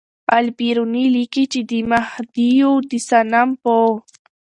البېروني لیکي چې د مهادیو د صنم په